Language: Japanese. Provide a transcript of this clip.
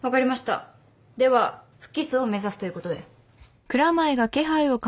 では不起訴を目指すということで。